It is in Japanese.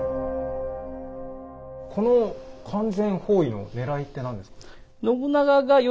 この完全包囲のねらいって何ですか？